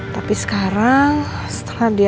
tapi sekarang setelah dia